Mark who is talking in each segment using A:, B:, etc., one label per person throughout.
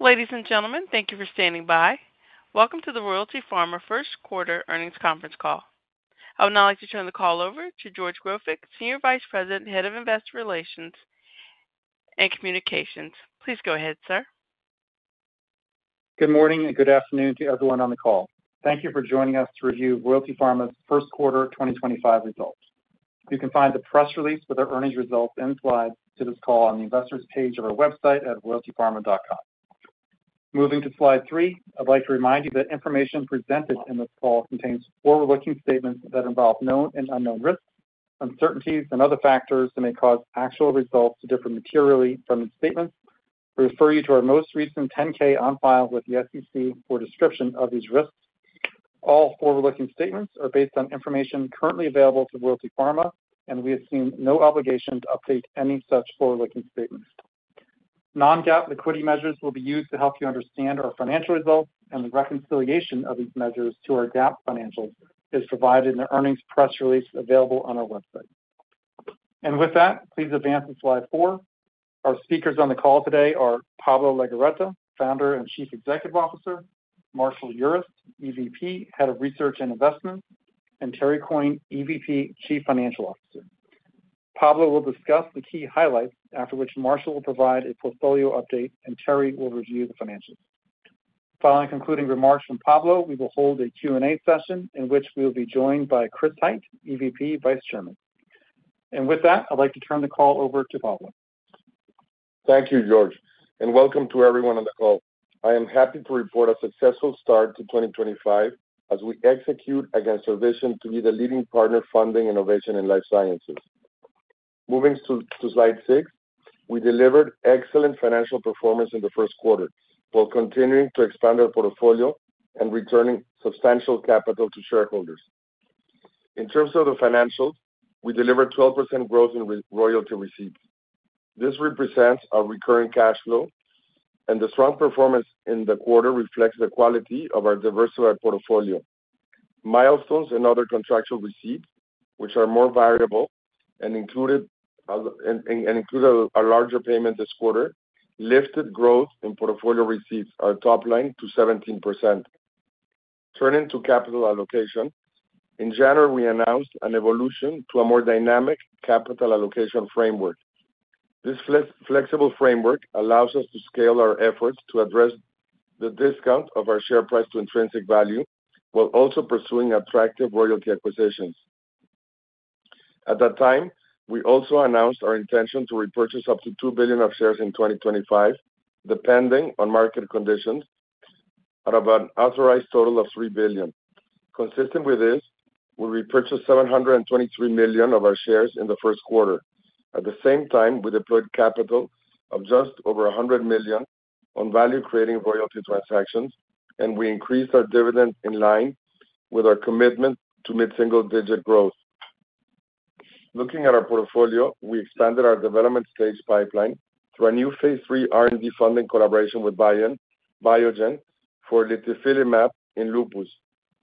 A: Ladies and gentlemen, thank you for standing by. Welcome to the Royalty Pharma First Quarter Earnings Conference Call. I would now like to turn the call over to George Grofik, Senior Vice President, Head of Investor Relations and Communications. Please go ahead, sir.
B: Good morning and good afternoon to everyone on the call. Thank you for joining us to review Royalty Pharma's First Quarter 2025 Results. You can find the press release with our earnings results and slides to this call on the investors' page of our website at royaltypharma.com. Moving to slide 3, I'd like to remind you that information presented in this call contains forward-looking statements that involve known and unknown risks, uncertainties, and other factors that may cause actual results to differ materially from the statements. We refer you to our most recent 10-K on file with the SEC for a description of these risks. All forward-looking statements are based on information currently available to Royalty Pharma, and we assume no obligation to update any such forward-looking statements. Non-GAAP liquidity measures will be used to help you understand our financial results, and the reconciliation of these measures to our GAAP financials is provided in the earnings press release available on our website. And with that, please advance to slide 4. Our speakers on the call today are Pablo Legorreta, Founder and Chief Executive Officer, Marshall Urist, EVP, Head of Research and Investments, and Terry Coyne, EVP, Chief Financial Officer. Pablo will discuss the key highlights, after which Marshall will provide a portfolio update, and Terry will review the financials. Following concluding remarks from Pablo, we will hold a Q&A session in which we will be joined by Chris Hite, EVP, Vice Chairman. And with that, I'd like to turn the call over to Pablo.
C: Thank you, George, and welcome to everyone on the call. I am happy to report a successful start to 2025 as we execute against our vision to be the leading partner funding innovation in life sciences. Moving to slide 6, we delivered excellent financial performance in the first quarter, while continuing to expand our portfolio and returning substantial capital to shareholders. In terms of the financials, we delivered 12% growth in royalty receipts. This represents our recurring cash flow, and the strong performance in the quarter reflects the quality of our diversified portfolio. Milestones and other contractual receipts, which are more variable and included a larger payment this quarter, lifted growth in portfolio receipts, our top line, to 17%. Turning to capital allocation, in January, we announced an evolution to a more dynamic capital allocation framework. This flexible framework allows us to scale our efforts to address the discount of our share price to intrinsic value, while also pursuing attractive royalty acquisitions. At that time, we also announced our intention to repurchase up to 2 billion of shares in 2025, depending on market conditions, at an authorized total of 3 billion. Consistent with this, we repurchased 723 million of our shares in the first quarter. At the same time, we deployed capital of just over 100 million on value-creating royalty transactions, and we increased our dividend in line with our commitment to mid-single-digit growth. Looking at our portfolio, we expanded our development stage pipeline through a new phase 3 R&D funding collaboration with Biogen for litifilimab in lupus.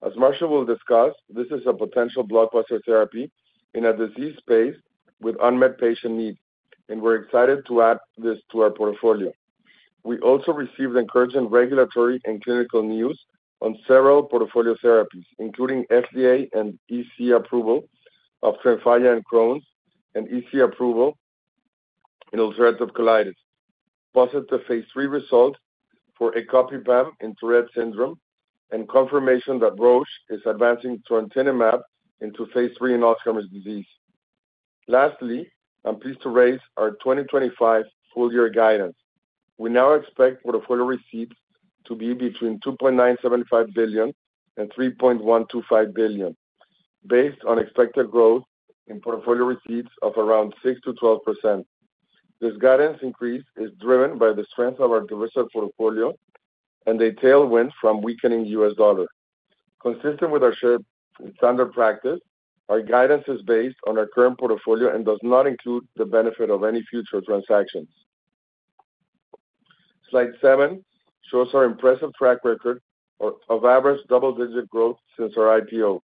C: As Marshall will discuss, this is a potential blockbuster therapy in a disease space with unmet patient needs, and we're excited to add this to our portfolio. We also received encouraging regulatory and clinical news on several portfolio therapies, including FDA and EC approval of Tremfya in Crohn's, and EC approval in ulcerative colitis. Positive phase 3 results for ecopipam in Tourette syndrome, and confirmation that Roche is advancing trontinemab into phase 3 in Alzheimer's disease. Lastly, I'm pleased to raise our 2025 full-year guidance. We now expect portfolio receipts to be between $2.975 billion and $3.125 billion, based on expected growth in portfolio receipts of around 6%-12%. This guidance increase is driven by the strength of our diversified portfolio and a tailwind from weakening U.S. dollar. Consistent with our shared standard practice, our guidance is based on our current portfolio and does not include the benefit of any future transactions. Slide 7 shows our impressive track record of average double-digit growth since our IPO.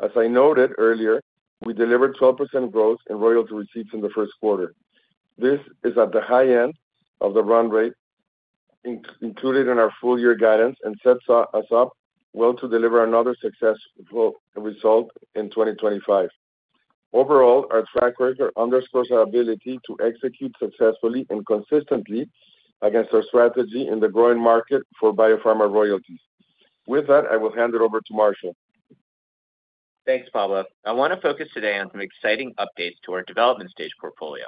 C: As I noted earlier, we delivered 12% growth in royalty receipts in the first quarter. This is at the high end of the run rate included in our full-year guidance and sets us up well to deliver another successful result in 2025. Overall, our track record underscores our ability to execute successfully and consistently against our strategy in the growing market for biopharma royalties. With that, I will hand it over to Marshall.
D: Thanks, Pablo. I want to focus today on some exciting updates to our development stage portfolio.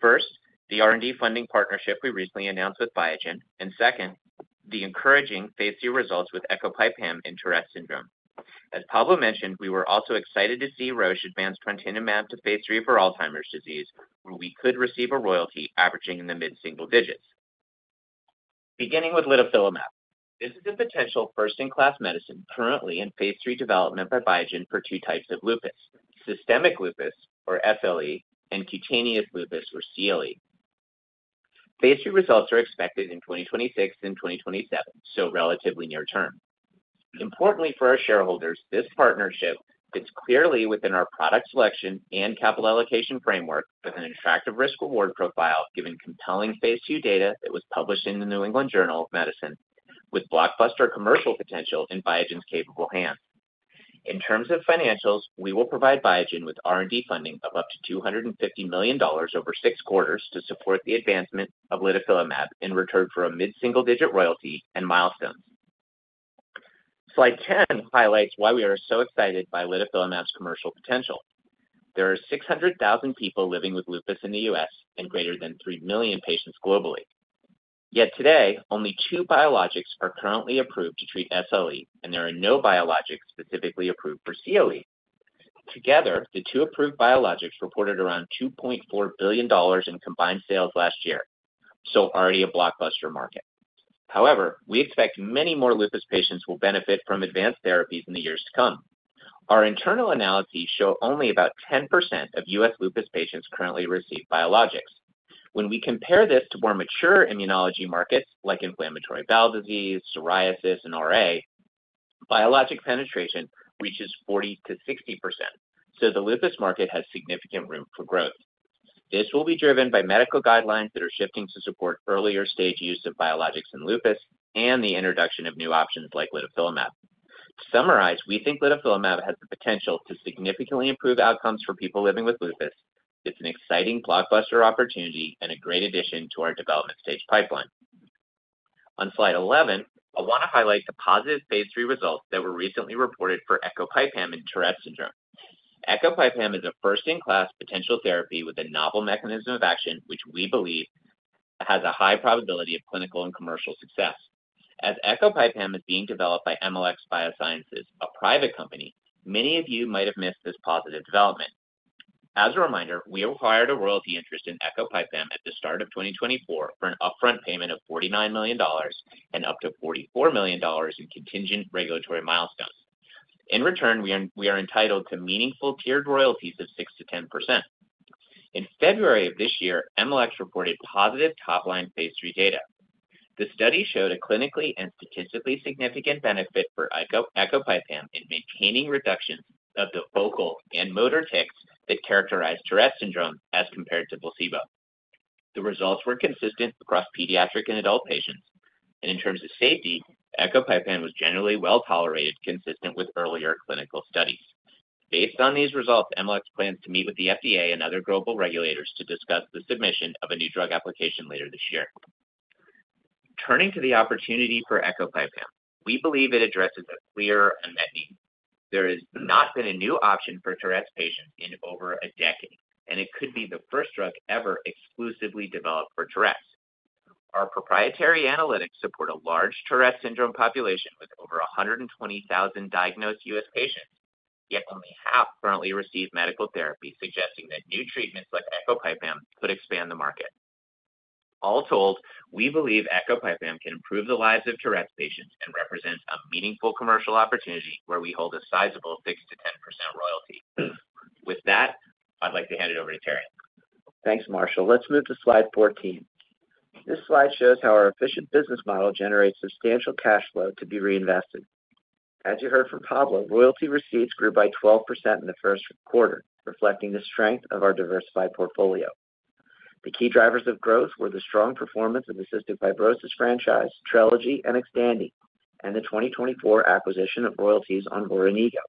D: First, the R&D funding partnership we recently announced with Biogen, and second, the encouraging phase 3 results with ecopipam in Tourette syndrome. As Pablo mentioned, we were also excited to see Roche advance trontinemab to phase 3 for Alzheimer's disease, where we could receive a royalty averaging in the mid-single digits. Beginning with litifilimab, this is a potential first-in-class medicine currently in phase 3 development by Biogen for two types of lupus: systemic lupus, or SLE, and cutaneous lupus, or CLE. Phase 3 results are expected in 2026 and 2027, so relatively near term. Importantly for our shareholders, this partnership fits clearly within our product selection and capital allocation framework, with an attractive risk-reward profile given compelling phase 2 data that was published in the New England Journal of Medicine, with blockbuster commercial potential in Biogen's capable hands. In terms of financials, we will provide Biogen with R&D funding of up to $250 million over six quarters to support the advancement of litifilimab in return for a mid-single-digit royalty and milestones. Slide 10 highlights why we are so excited by litifilimab's commercial potential. There are 600,000 people living with lupus in the U.S. and greater than 3 million patients globally. Yet today, only two biologics are currently approved to treat SLE, and there are no biologics specifically approved for CLE. Together, the two approved biologics reported around $2.4 billion in combined sales last year, so already a blockbuster market. However, we expect many more lupus patients will benefit from advanced therapies in the years to come. Our internal analyses show only about 10% of U.S. lupus patients currently receive biologics. When we compare this to more mature immunology markets like inflammatory bowel disease, psoriasis, and RA, biologic penetration reaches 40%-60%, so the lupus market has significant room for growth. This will be driven by medical guidelines that are shifting to support earlier stage use of biologics in lupus and the introduction of new options like litifilimab. To summarize, we think litifilimab has the potential to significantly improve outcomes for people living with lupus. It's an exciting blockbuster opportunity and a great addition to our development stage pipeline. On slide 11, I want to highlight the positive phase 3 results that were recently reported for ecopipam in Tourette syndrome. Ecopipam is a first-in-class potential therapy with a novel mechanism of action, which we believe has a high probability of clinical and commercial success. As ecopipam is being developed by Emalex Biosciences, a private company, many of you might have missed this positive development. As a reminder, we acquired a royalty interest in ecopipam at the start of 2024 for an upfront payment of $49 million and up to $44 million in contingent regulatory milestones. In return, we are entitled to meaningful tiered royalties of 6%-10%. In February of this year, Emalex reported positive top-line phase 3 data. The study showed a clinically and statistically significant benefit for ecopipam in maintaining reductions of the vocal and motor tics that characterize Tourette syndrome as compared to placebo. The results were consistent across pediatric and adult patients. In terms of safety, ecopipam was generally well tolerated, consistent with earlier clinical studies. Based on these results, Emalex plans to meet with the FDA and other global regulators to discuss the submission of a new drug application later this year. Turning to the opportunity for ecopipam, we believe it addresses a clearer unmet need. There has not been a new option for Tourette patients in over a decade, and it could be the first drug ever exclusively developed for Tourette. Our proprietary analytics support a large Tourette syndrome population with over 120,000 diagnosed U.S. patients, yet only half currently receive medical therapy, suggesting that new treatments like ecopipam could expand the market. All told, we believe ecopipam can improve the lives of Tourette patients and represents a meaningful commercial opportunity where we hold a sizable 6%-10% royalty. With that, I'd like to hand it over to Terrance.
E: Thanks, Marshall. Let's move to slide 14. This slide shows how our efficient business model generates substantial cash flow to be reinvested. As you heard from Pablo, royalty receipts grew by 12% in the first quarter, reflecting the strength of our diversified portfolio. The key drivers of growth were the strong performance of the cystic fibrosis franchise, Trelegy, and Xtandi, and the 2024 acquisition of royalties on Voranigo.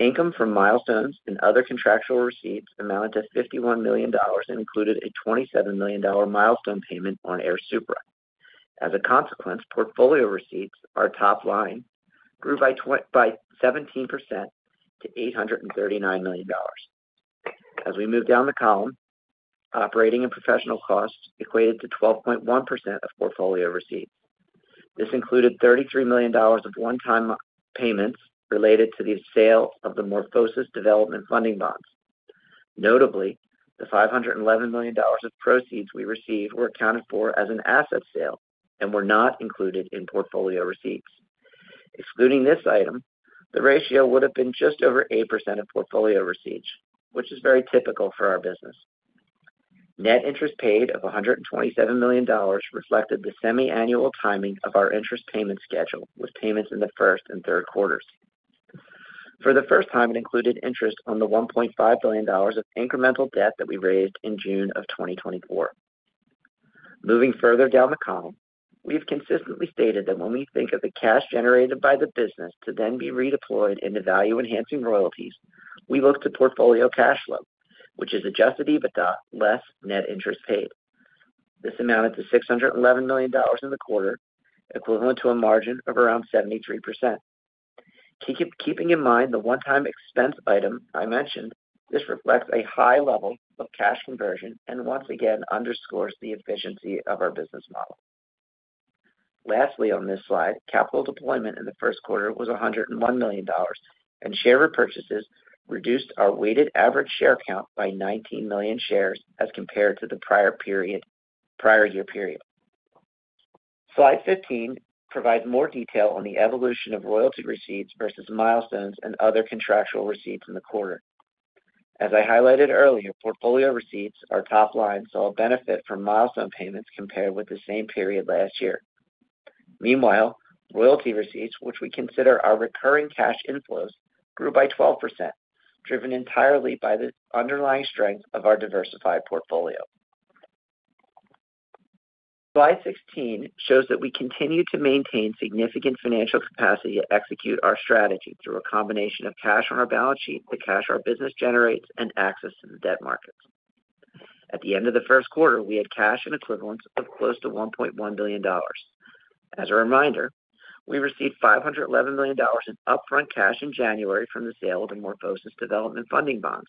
E: Income from milestones and other contractual receipts amounted to $51 million and included a $27 million milestone payment on Airsupra. As a consequence, portfolio receipts, our top line, grew by 17% to $839 million. As we move down the column, operating and professional costs equated to 12.1% of portfolio receipts. This included $33 million of one-time payments related to the sale of the MorphoSys development funding bonds. Notably, the $511 million of proceeds we received were accounted for as an asset sale and were not included in portfolio receipts. Excluding this item, the ratio would have been just over 8% of portfolio receipts, which is very typical for our business. Net interest paid of $127 million reflected the semi-annual timing of our interest payment schedule, with payments in the first and third quarters. For the first time, it included interest on the $1.5 billion of incremental debt that we raised in June of 2024. Moving further down the column, we have consistently stated that when we think of the cash generated by the business to then be redeployed into value-enhancing royalties, we look to portfolio cash flow, which is adjusted EBITDA less net interest paid. This amounted to $611 million in the quarter, equivalent to a margin of around 73%. Keeping in mind the one-time expense item I mentioned, this reflects a high level of cash conversion and once again underscores the efficiency of our business model. Lastly, on this slide, capital deployment in the first quarter was $101 million, and share repurchases reduced our weighted average share count by 19 million shares as compared to the prior year period. Slide 15 provides more detail on the evolution of royalty receipts versus milestones and other contractual receipts in the quarter. As I highlighted earlier, portfolio receipts, our top line, saw a benefit from milestone payments compared with the same period last year. Meanwhile, royalty receipts, which we consider our recurring cash inflows, grew by 12%, driven entirely by the underlying strength of our diversified portfolio. Slide 16 shows that we continue to maintain significant financial capacity to execute our strategy through a combination of cash on our balance sheet, the cash our business generates, and access to the debt markets. At the end of the first quarter, we had cash and equivalents of close to $1.1 billion. As a reminder, we received $511 million in upfront cash in January from the sale of the MorphoSys development funding bonds.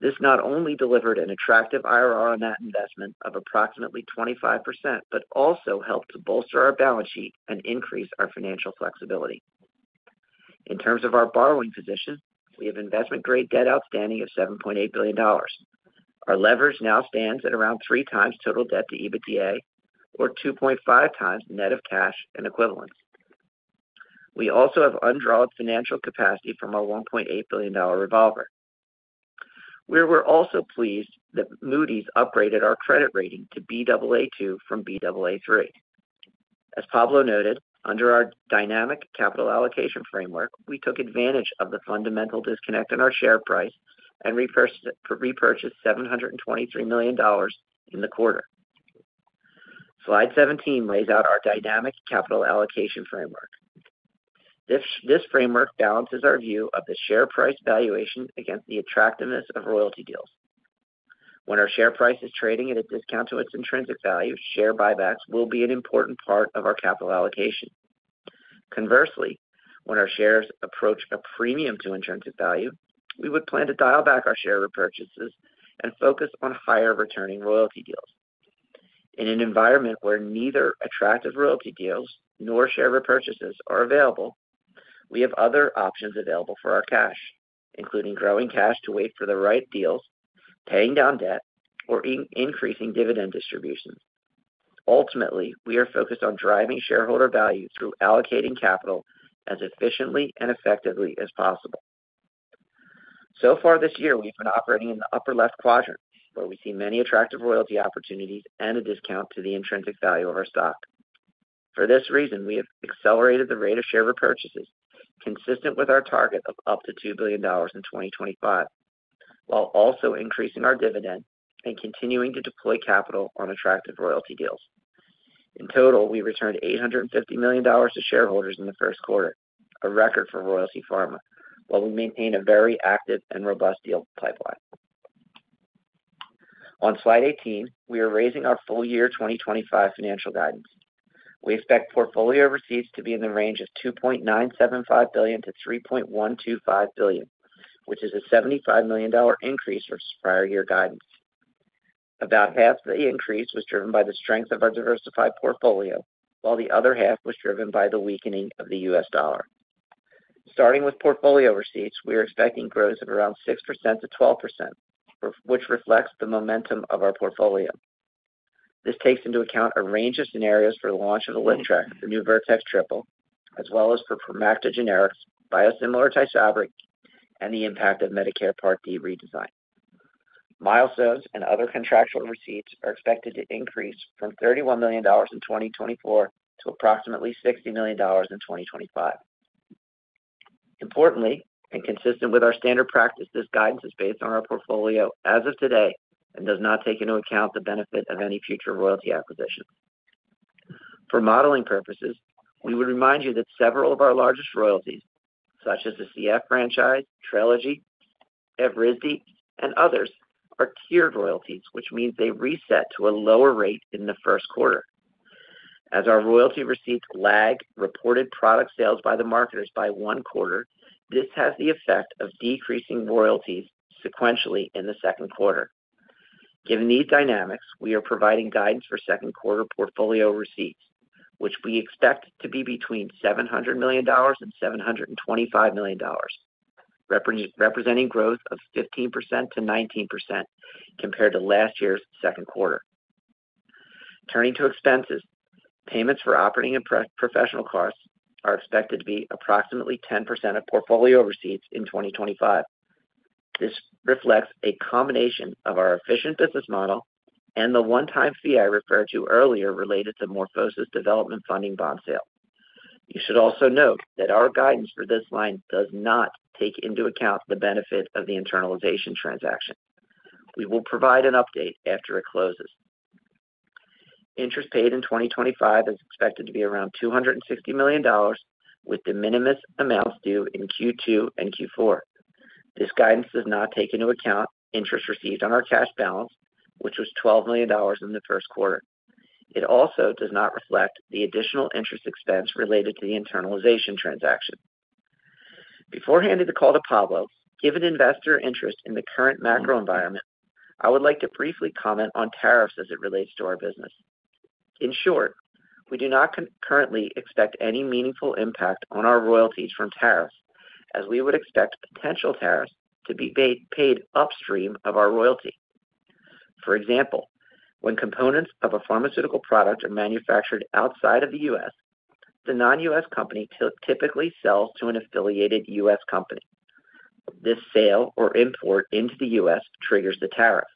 E: This not only delivered an attractive IRR on that investment of approximately 25%, but also helped to bolster our balance sheet and increase our financial flexibility. In terms of our borrowing position, we have investment-grade debt outstanding of $7.8 billion. Our leverage now stands at around three times total debt to EBITDA, or 2.5 times net of cash and equivalents. We also have undrawn financial capacity from our $1.8 billion revolver. We were also pleased that Moody's upgraded our credit rating to Baa2 from Baa3. As Pablo noted, under our dynamic capital allocation framework, we took advantage of the fundamental disconnect in our share price and repurchased $723 million in the quarter. Slide 17 lays out our dynamic capital allocation framework. This framework balances our view of the share price valuation against the attractiveness of royalty deals. When our share price is trading at a discount to its intrinsic value, share buybacks will be an important part of our capital allocation. Conversely, when our shares approach a premium to intrinsic value, we would plan to dial back our share repurchases and focus on higher-returning royalty deals. In an environment where neither attractive royalty deals nor share repurchases are available, we have other options available for our cash, including growing cash to wait for the right deals, paying down debt, or increasing dividend distributions. Ultimately, we are focused on driving shareholder value through allocating capital as efficiently and effectively as possible. So far this year, we've been operating in the upper left quadrant, where we see many attractive royalty opportunities and a discount to the intrinsic value of our stock. For this reason, we have accelerated the rate of share repurchases, consistent with our target of up to $2 billion in 2025, while also increasing our dividend and continuing to deploy capital on attractive royalty deals. In total, we returned $850 million to shareholders in the first quarter, a record for Royalty Pharma, while we maintain a very active and robust deal pipeline. On slide 18, we are raising our full-year 2025 financial guidance. We expect portfolio receipts to be in the range of $2.975 billion-$3.125 billion, which is a $75 million increase versus prior year guidance. About half of the increase was driven by the strength of our diversified portfolio, while the other half was driven by the weakening of the U.S. dollar. Starting with portfolio receipts, we are expecting growth of around 6%-12%, which reflects the momentum of our portfolio. This takes into account a range of scenarios for the launch of Vanzacaftor triple, the new Vertex triple, as well as for Promacta generics, biosimilar Tysabri, and the impact of Medicare Part D redesign. Milestones and other contractual receipts are expected to increase from $31 million in 2024 to approximately $60 million in 2025. Importantly, and consistent with our standard practice, this guidance is based on our portfolio as of today and does not take into account the benefit of any future royalty acquisitions. For modeling purposes, we would remind you that several of our largest royalties, such as the CF franchise, Trelegy, Evrysdi, and others, are tiered royalties, which means they reset to a lower rate in the first quarter. As our royalty receipts lag reported product sales by the marketers by one quarter, this has the effect of decreasing royalties sequentially in the second quarter. Given these dynamics, we are providing guidance for second quarter portfolio receipts, which we expect to be between $700 million and $725 million, representing growth of 15% to 19% compared to last year's second quarter. Turning to expenses, payments for operating and professional costs are expected to be approximately 10% of portfolio receipts in 2025. This reflects a combination of our efficient business model and the one-time fee I referred to earlier related to MorphoSys development funding bond sales. You should also note that our guidance for this line does not take into account the benefit of the internalization transaction. We will provide an update after it closes. Interest paid in 2025 is expected to be around $260 million, with de minimis amounts due in Q2 and Q4. This guidance does not take into account interest received on our cash balance, which was $12 million in the first quarter. It also does not reflect the additional interest expense related to the internalization transaction. Before handing the call to Pablo, given investor interest in the current macro environment, I would like to briefly comment on tariffs as it relates to our business. In short, we do not currently expect any meaningful impact on our royalties from tariffs, as we would expect potential tariffs to be paid upstream of our royalty. For example, when components of a pharmaceutical product are manufactured outside of the U.S., the non-U.S. company typically sells to an affiliated U.S. company. This sale or import into the U.S. triggers the tariff.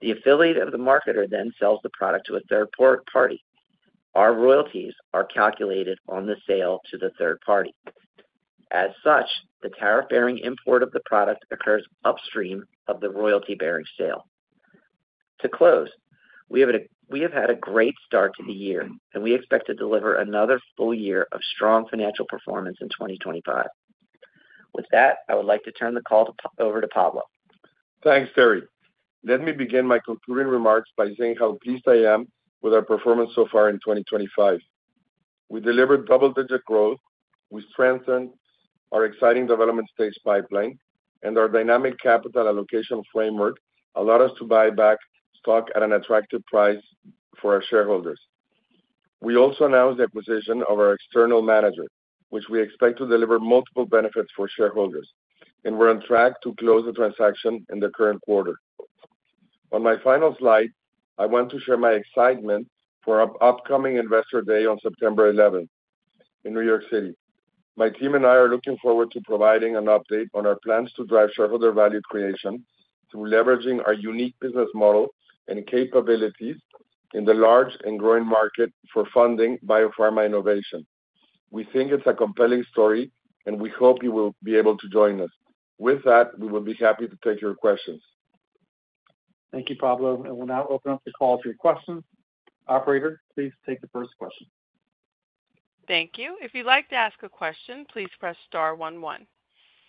E: The affiliate of the marketer then sells the product to a third party. Our royalties are calculated on the sale to the third party. As such, the tariff-bearing import of the product occurs upstream of the royalty-bearing sale. To close, we have had a great start to the year, and we expect to deliver another full year of strong financial performance in 2025. With that, I would like to turn the call over to Pablo.
C: Thanks, Terry. Let me begin my concluding remarks by saying how pleased I am with our performance so far in 2025. We delivered double-digit growth. We strengthened our exciting development stage pipeline, and our dynamic capital allocation framework allowed us to buy back stock at an attractive price for our shareholders. We also announced the acquisition of our external manager, which we expect to deliver multiple benefits for shareholders, and we're on track to close the transaction in the current quarter. On my final slide, I want to share my excitement for our upcoming investor day on September 11 in New York City. My team and I are looking forward to providing an update on our plans to drive shareholder value creation through leveraging our unique business model and capabilities in the large and growing market for funding biopharma innovation. We think it's a compelling story, and we hope you will be able to join us. With that, we would be happy to take your questions.
B: Thank you, Pablo. And we'll now open up the call to your questions. Operator, please take the first question.
A: Thank you. If you'd like to ask a question, please press Star 11.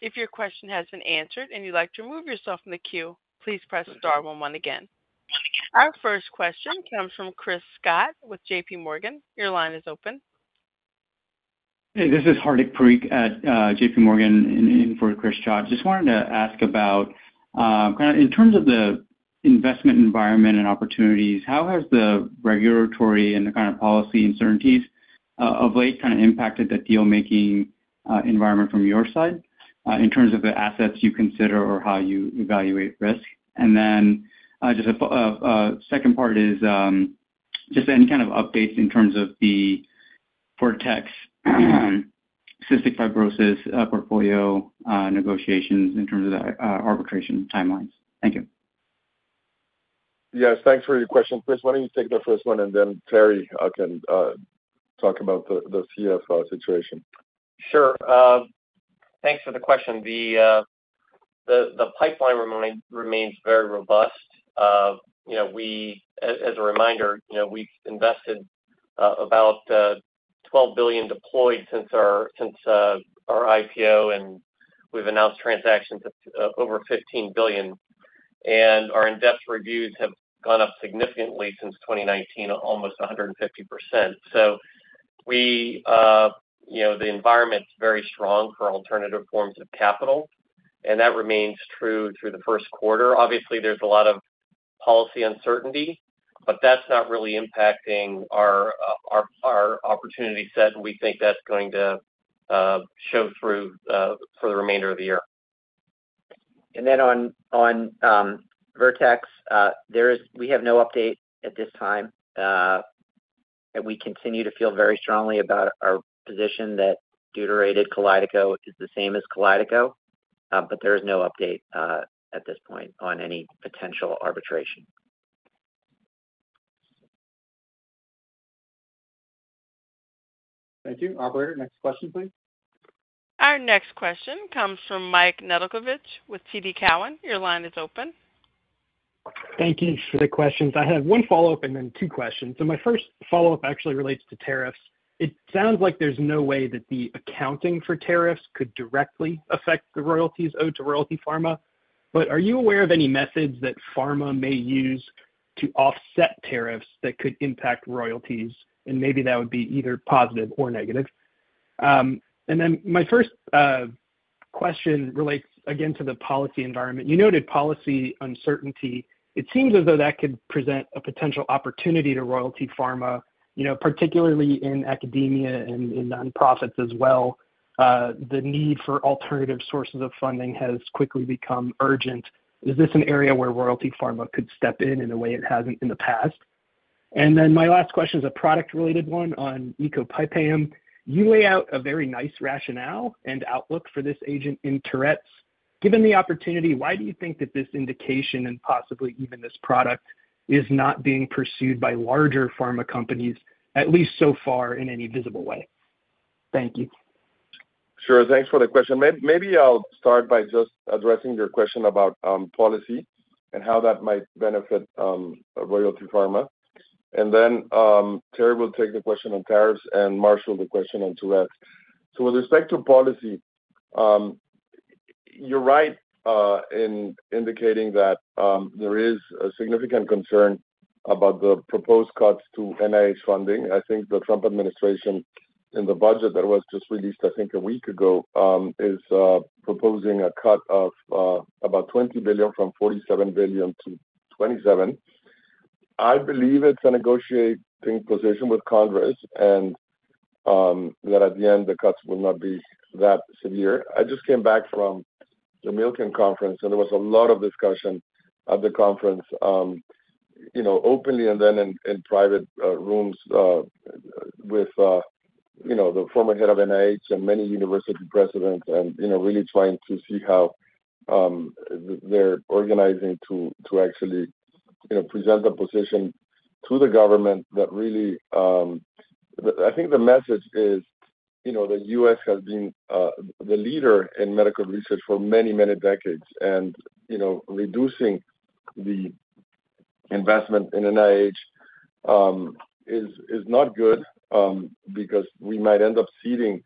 A: If your question has been answered and you'd like to remove yourself from the queue, please press Star 11 again. Our first question comes from Chris Schott with J.P. Morgan. Your line is open.
F: Hey, this is Hardik Parikh at J.P. Morgan for Chris Schott. Just wanted to ask about, kind of in terms of the investment environment and opportunities, how has the regulatory and the kind of policy uncertainties of late kind of impacted the deal-making environment from your side in terms of the assets you consider or how you evaluate risk? And then just a second part is just any kind of updates in terms of the Vertex cystic fibrosis portfolio negotiations in terms of the arbitration timelines. Thank you.
C: Yes, thanks for your question. Chris, why don't you take the first one, and then Terry can talk about the CF situation.
G: Sure. Thanks for the question. The pipeline remains very robust. As a reminder, we've invested about $12 billion deployed since our IPO, and we've announced transactions of over $15 billion. And our in-depth reviews have gone up significantly since 2019, almost 150%. So the environment's very strong for alternative forms of capital, and that remains true through the first quarter. Obviously, there's a lot of policy uncertainty, but that's not really impacting our opportunity set, and we think that's going to show through for the remainder of the year.
E: Then on Vertex, we have no update at this time. We continue to feel very strongly about our position that Deuterated Kalydeco is the same as Kalydeco, but there is no update at this point on any potential arbitration.
B: Thank you. Operator, next question, please.
A: Our next question comes from Mike Nedelcovych with TD Cowen. Your line is open.
H: Thank you for the questions. I have one follow-up and then two questions. So my first follow-up actually relates to tariffs. It sounds like there's no way that the accounting for tariffs could directly affect the royalties owed to Royalty Pharma. But are you aware of any methods that pharma may use to offset tariffs that could impact royalties? And maybe that would be either positive or negative. And then my first question relates again to the policy environment. You noted policy uncertainty. It seems as though that could present a potential opportunity to Royalty Pharma, particularly in academia and in nonprofits as well. The need for alternative sources of funding has quickly become urgent. Is this an area where Royalty Pharma could step in in a way it hasn't in the past? And then my last question is a product-related one on Ecopipam. You lay out a very nice rationale and outlook for this agent in Tourette's. Given the opportunity, why do you think that this indication and possibly even this product is not being pursued by larger pharma companies, at least so far in any visible way? Thank you.
C: Sure. Thanks for the question. Maybe I'll start by just addressing your question about policy and how that might benefit Royalty Pharma. And then Terry will take the question on tariffs and Marshall the question on Tourette's. So with respect to policy, you're right in indicating that there is a significant concern about the proposed cuts to NIH funding. I think the Trump administration in the budget that was just released, I think a week ago, is proposing a cut of about $20 billion from $47 billion to $27 billion. I believe it's a negotiating position with Congress and that at the end, the cuts will not be that severe. I just came back from the Milken Conference, and there was a lot of discussion at the conference, openly and then in private rooms with the former head of NIH and many university presidents and really trying to see how they're organizing to actually present a position to the government that really I think the message is the U.S. has been the leader in medical research for many, many decades, and reducing the investment in NIH is not good because we might end up ceding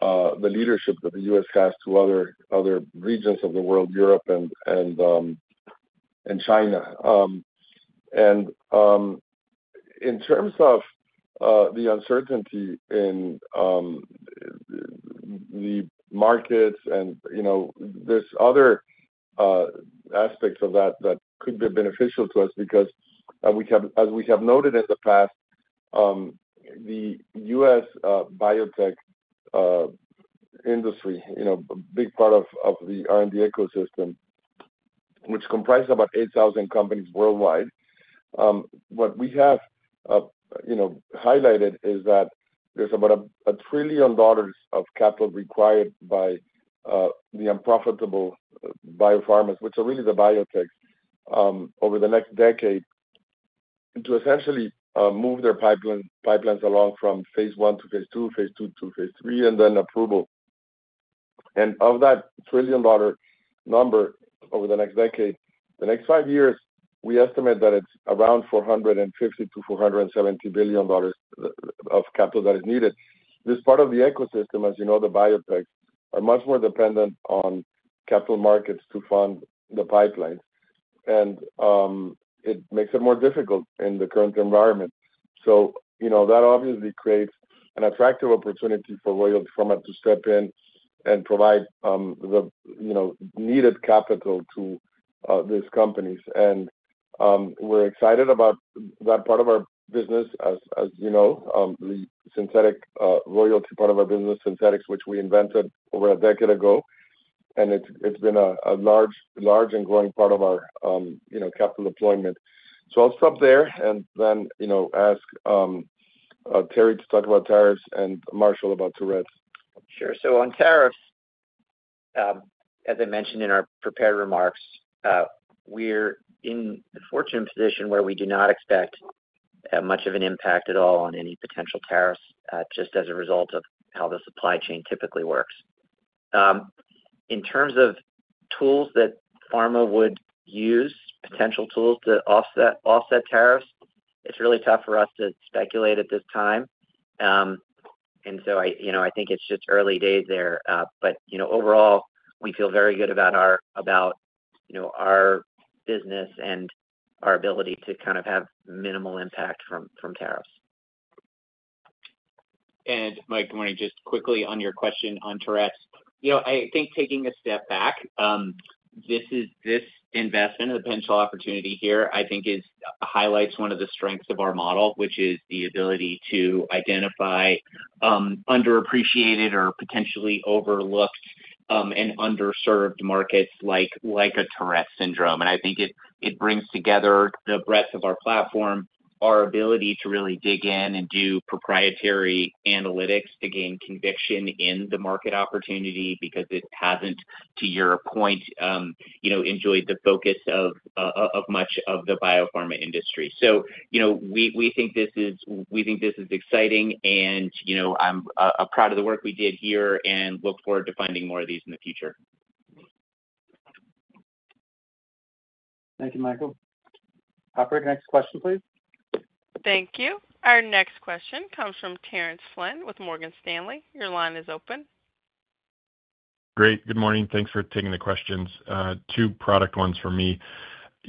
C: the leadership that the U.S. has to other regions of the world, Europe and China, and in terms of the uncertainty in the markets, and there's other aspects of that that could be beneficial to us because, as we have noted in the past, the U.S. biotech industry, a big part of the R&D ecosystem, which comprises about 8,000 companies worldwide. What we have highlighted is that there's about $1 trillion of capital required by the unprofitable biopharmas, which are really the biotechs, over the next decade to essentially move their pipelines along from phase 1 to phase 2, phase 2 to phase 3, and then approval, and of that $1 trillion number over the next decade, the next five years, we estimate that it's around $450-$470 billion of capital that is needed. This part of the ecosystem, as you know, the biotechs, are much more dependent on capital markets to fund the pipelines, and it makes it more difficult in the current environment, so that obviously creates an attractive opportunity for Royalty Pharma to step in and provide the needed capital to these companies. And we're excited about that part of our business, as you know, the synthetic royalty part of our business, synthetics, which we invented over a decade ago, and it's been a large and growing part of our capital deployment. So I'll stop there and then ask Terry to talk about tariffs and Marshall about Tourette's.
E: Sure. So on tariffs, as I mentioned in our prepared remarks, we're in a fortunate position where we do not expect much of an impact at all on any potential tariffs just as a result of how the supply chain typically works. In terms of tools that pharma would use, potential tools to offset tariffs, it's really tough for us to speculate at this time. And so I think it's just early days there. But overall, we feel very good about our business and our ability to kind of have minimal impact from tariffs. And Mike, I want to just quickly on your question on Tourette's. I think taking a step back, this investment and the potential opportunity here, I think, highlights one of the strengths of our model, which is the ability to identify underappreciated or potentially overlooked and underserved markets like Tourette syndrome. I think it brings together the breadth of our platform, our ability to really dig in and do proprietary analytics to gain conviction in the market opportunity because it hasn't, to your point, enjoyed the focus of much of the biopharma industry. We think this is exciting, and I'm proud of the work we did here and look forward to finding more of these in the future.
B: Thank you, Michael. Operator, next question, please.
A: Thank you. Our next question comes from Terence Flynn with Morgan Stanley. Your line is open.
I: Great. Good morning. Thanks for taking the questions. Two product ones for me.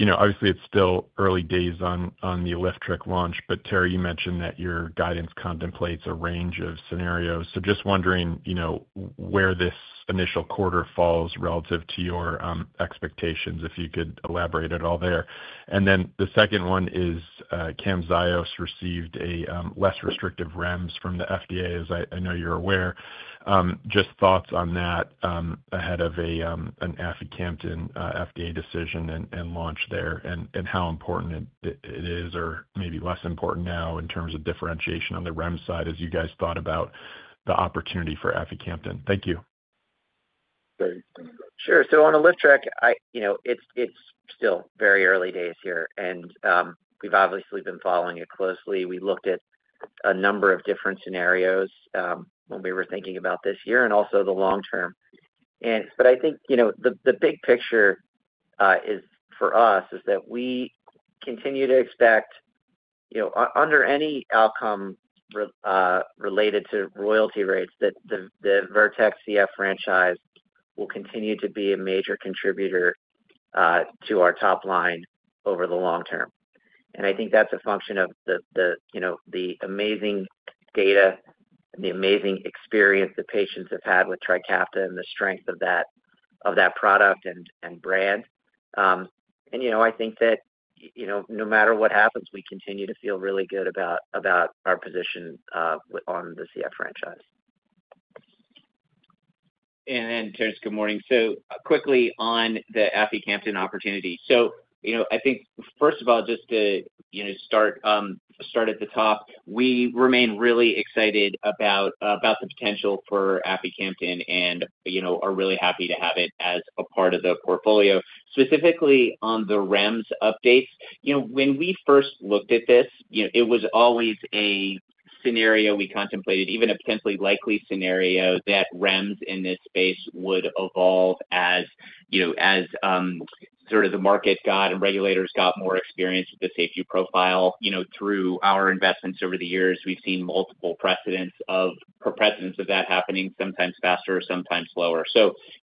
I: Obviously, it's still early days on the Litifilimab launch, but Terry, you mentioned that your guidance contemplates a range of scenarios. So just wondering where this initial quarter falls relative to your expectations, if you could elaborate at all there? And then the second one is Camzyos received a less restrictive REMS from the FDA, as I know you're aware. Just thoughts on that ahead of an aficamten FDA decision and launch there and how important it is or maybe less important now in terms of differentiation on the REMS side as you guys thought about the opportunity for an ficamten? Thank you.
E: Sure. So on a LiftTRIC, it's still very early days here, and we've obviously been following it closely. We looked at a number of different scenarios when we were thinking about this year and also the long term. But I think the big picture for us is that we continue to expect, under any outcome related to royalty rates, that the Vertex CF franchise will continue to be a major contributor to our top line over the long term. And I think that's a function of the amazing data and the amazing experience that patients have had with Trikafta and the strength of that product and brand. And I think that no matter what happens, we continue to feel really good about our position on the CF franchise.
D: And then, Terence, good morning. So quickly on the aficamten opportunity. I think, first of all, just to start at the top, we remain really excited about the potential for aficamten and are really happy to have it as a part of the portfolio, specifically on the REMS updates. When we first looked at this, it was always a scenario we contemplated, even a potentially likely scenario that REMS in this space would evolve as sort of the market got and regulators got more experience with the safety profile. Through our investments over the years, we've seen multiple precedents of that happening, sometimes faster, sometimes slower.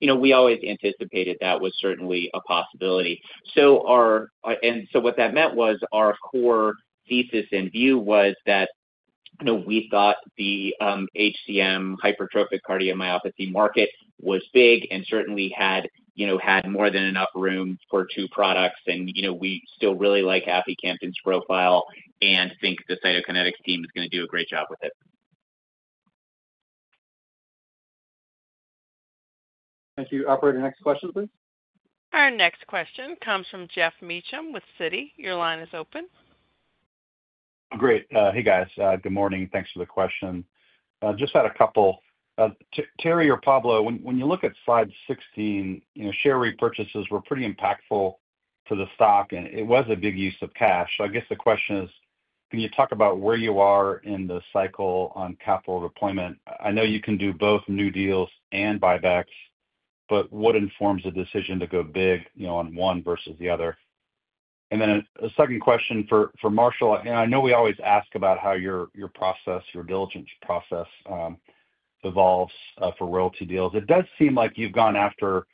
D: We always anticipated that was certainly a possibility. What that meant was our core thesis and view was that we thought the HCM hypertrophic cardiomyopathy market was big and certainly had more than enough room for two products. We still really like Aficamton's profile and think the Cytokinetics team is going to do a great job with it.
B: Thank you. Operator, next question, please.
A: Our next question comes from Geoff Meacham with Citi. Your line is open.
J: Great. Hey, guys. Good morning. Thanks for the question. Just had a couple. Terry or Pablo, when you look at slide 16, share repurchases were pretty impactful to the stock, and it was a big use of cash. So I guess the question is, can you talk about where you are in the cycle on capital deployment? I know you can do both new deals and buybacks, but what informs the decision to go big on one versus the other? And then a second question for Marshall. And I know we always ask about how your process, your diligence process evolves for royalty deals. It does seem like you've gone after,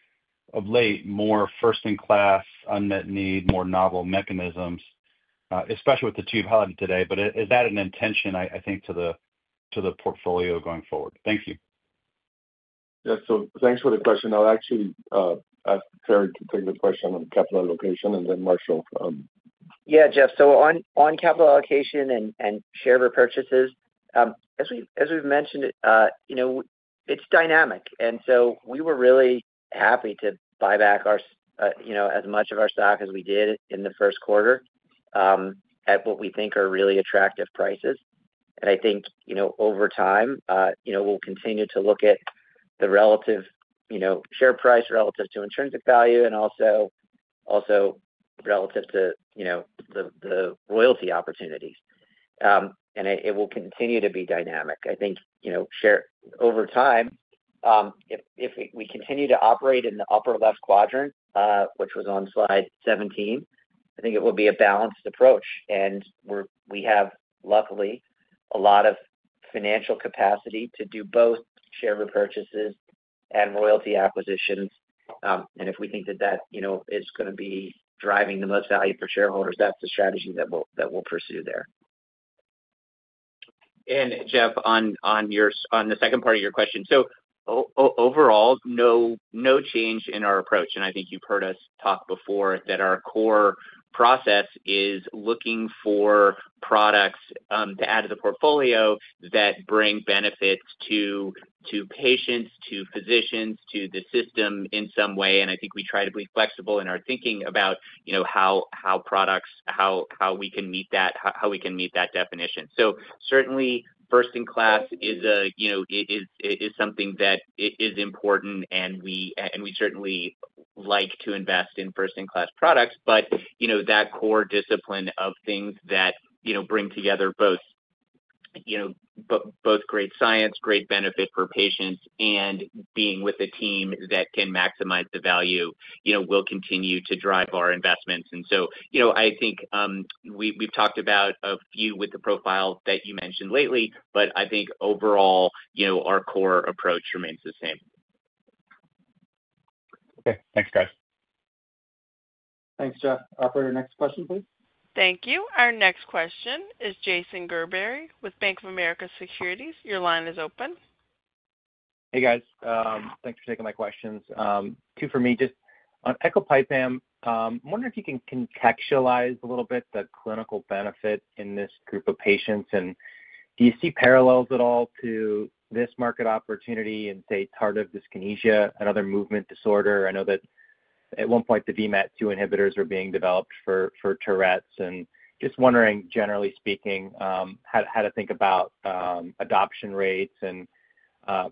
J: of late, more first-in-class unmet need, more novel mechanisms, especially with the two you've highlighted today. But is that an intention, I think, to the portfolio going forward? Thank you.
C: Yeah. So thanks for the question. I'll actually ask Terry to take the question on capital allocation and then Marshall.
E: Yeah, Jeff. So on capital allocation and share repurchases, as we've mentioned, it's dynamic. And so we were really happy to buy back as much of our stock as we did in the first quarter at what we think are really attractive prices. And I think over time, we'll continue to look at the relative share price relative to intrinsic value and also relative to the royalty opportunities. And it will continue to be dynamic. I think over time, if we continue to operate in the upper left quadrant, which was on slide 17, I think it will be a balanced approach. And we have, luckily, a lot of financial capacity to do both share repurchases and royalty acquisitions. And if we think that that is going to be driving the most value for shareholders, that's the strategy that we'll pursue there.
D: And Jeff, on the second part of your question, so overall, no change in our approach. And I think you've heard us talk before that our core process is looking for products to add to the portfolio that bring benefits to patients, to physicians, to the system in some way. And I think we try to be flexible in our thinking about how products, how we can meet that, how we can meet that definition. So certainly, first-in-class is something that is important, and we certainly like to invest in first-in-class products. But that core discipline of things that bring together both great science, great benefit for patients, and being with a team that can maximize the value will continue to drive our investments. And so I think we've talked about a few with the profile that you mentioned lately, but I think overall, our core approach remains the same.
F: Okay. Thanks, guys.
B: Thanks, Jeff. Operator, next question, please.
A: Thank you. Our next question is Jason Gerberry with Bank of America Securities. Your line is open.
K: Hey, guys. Thanks for taking my questions. Two for me. Just on Ecopipam, I'm wondering if you can contextualize a little bit the clinical benefit in this group of patients. And do you see parallels at all to this market opportunity in, say, tardive dyskinesia, another movement disorder? I know that at one point, the VMAT2 inhibitors were being developed for Tourette's. And just wondering, generally speaking, how to think about adoption rates and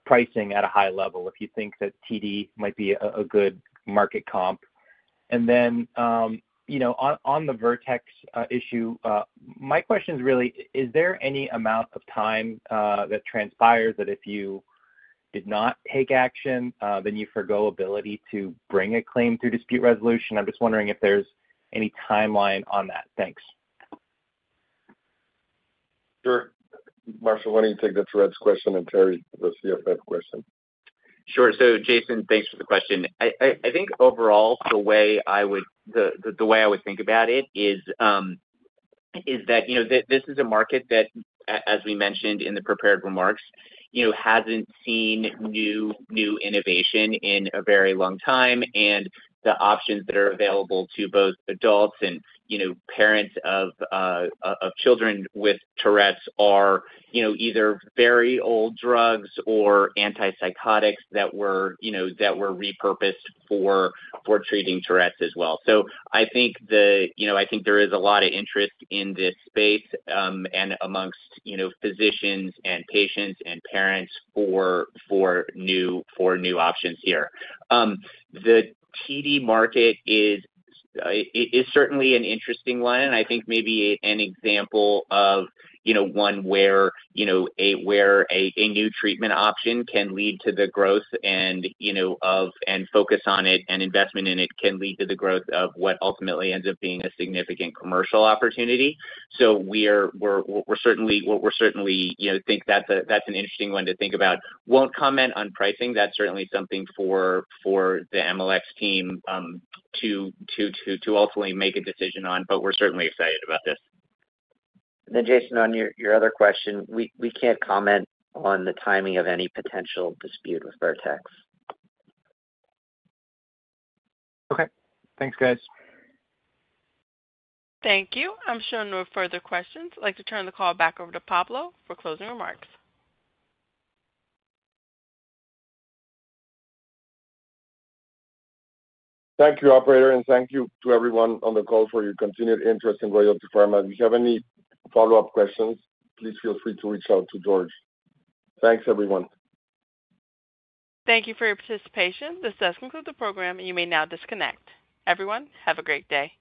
K: pricing at a high level if you think that TD might be a good market comp. And then on the Vertex issue, my question is really, is there any amount of time that transpires that if you did not take action, then you forgo ability to bring a claim through dispute resolution? I'm just wondering if there's any timeline on that. Thanks.
C: Sure. Marshall, why don't you take the Tourette's question and Terry the CFF question?
D: Sure. So Jason, thanks for the question. I think overall, the way I would think about it is that this is a market that, as we mentioned in the prepared remarks, hasn't seen new innovation in a very long time. And the options that are available to both adults and parents of children with Tourette's are either very old drugs or antipsychotics that were repurposed for treating Tourette's as well. So I think there is a lot of interest in this space and amongst physicians and patients and parents for new options here. The TD market is certainly an interesting one. And I think maybe an example of one where a new treatment option can lead to the growth and focus on it and investment in it can lead to the growth of what ultimately ends up being a significant commercial opportunity. So we're certainly thinking that's an interesting one to think about. We won't comment on pricing. That's certainly something for the Emalex team to ultimately make a decision on, but we're certainly excited about this.
E: And then Jason, on your other question, we can't comment on the timing of any potential dispute with Vertex.
K: Okay. Thanks, guys.
A: Thank you. I'm showing no further questions. I'd like to turn the call back over to Pablo for closing remarks.
C: Thank you, Operator, and thank you to everyone on the call for your continued interest in Royalty Pharma. If you have any follow-up questions, please feel free to reach out to George. Thanks, everyone.
A: Thank you for your participation. This does conclude the program, and you may now disconnect. Everyone, have a great day.